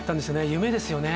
夢ですよね